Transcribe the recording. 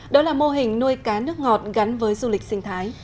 đó là mô hình nuôi cá nước ngọt gắn với du lịch sinh thái